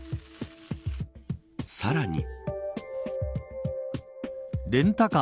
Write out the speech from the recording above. さらに。